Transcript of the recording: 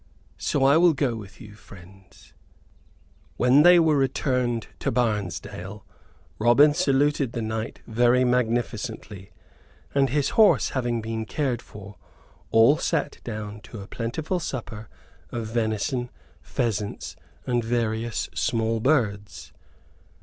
"So I will go with you, friends." When they were returned to Barnesdale, Robin saluted the knight very magnificently; and his horse having been cared for, all sat down to a plentiful supper of venison, pheasants, and various small birds.